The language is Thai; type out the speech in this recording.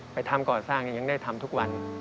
ไปทำก่อสร้างยังได้ทำทุกวัน